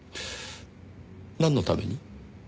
なんのために？